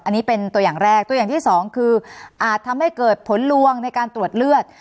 อันนี้เป็นตัวอย่างแรกตัวอย่างที่สองคืออาจทำให้เกิดผลลวงในการตรวจเลือด